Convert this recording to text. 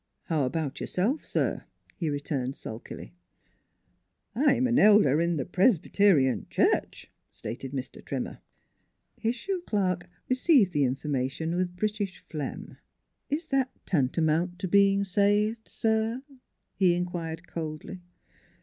"How about yourself, sir?" he returned sulkily. " I'm an elder in the Presbyterian Church," stated Mr. Trimmer. His shoe clerk received the information with British phlegm. 216 NEIGHBORS " Is that tantamount to being saved, sir? " he inquired coldly.